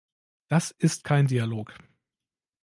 Das ist kein Dialog.